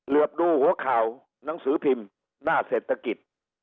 ดูหัวข่าวหนังสือพิมพ์หน้าเศรษฐกิจ